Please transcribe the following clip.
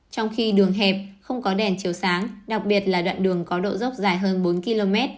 trong khi đường hẹp không có đèn chiều sáng đặc biệt là đoạn đường có độ dốc dài hơn bốn km